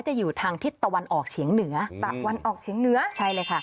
อยู่ทางทิศตะวันออกเฉียงเหนือตะวันออกเฉียงเหนือใช่เลยค่ะ